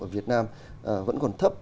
ở việt nam vẫn còn thấp